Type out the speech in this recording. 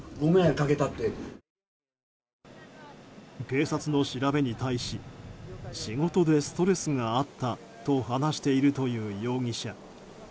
警察の調べに対し仕事でストレスがあったと話しているという容疑者。